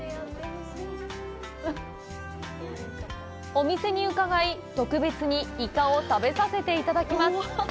お店に伺い、特別にイカを食べさせていただきます。